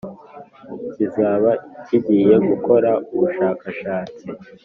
Kizaba kigiye gukora ubushakashatsi